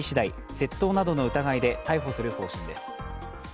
窃盗などの疑いで逮捕する方針です。